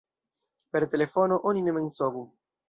Per telefono oni ne mensogu.